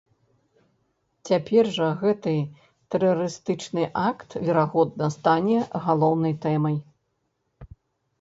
Цяпер жа гэты тэрарыстычны акт, верагодна, стане галоўнай тэмай.